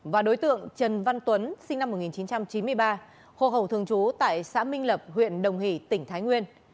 và đối tượng trần văn tuấn sinh năm một nghìn chín trăm chín mươi ba hộ khẩu thường trú tại xã minh lập huyện đồng hỷ tỉnh thái nguyên